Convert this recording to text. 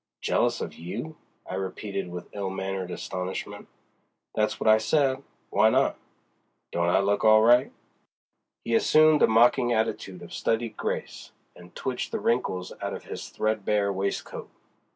"Jealous of you!" I repeated with ill mannered astonishment. "That's what I said. Why not?—don't I look all right?" He assumed a mocking attitude of studied grace, and twitched the wrinkles out of his threadbare waistcoat.